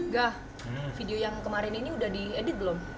ga video yang kemarin ini udah diedit belum